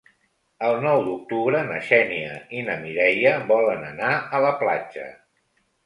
El nou d'octubre na Xènia i na Mireia volen anar a la platja.